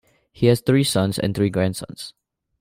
He has three sons and three grandsons.